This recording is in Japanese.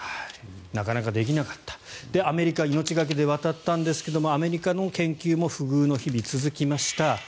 なかなかできなかったアメリカ命懸けで渡ったんですがアメリカの研究も不遇の日々、続きました。